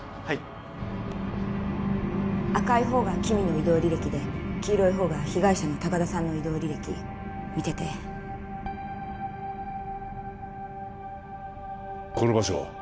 はい赤い方が木見の移動履歴で黄色い方が被害者の高田さんの移動履歴見ててこの場所は？